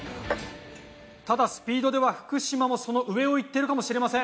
ただスピードでは福島もその上をいっているかもしれません。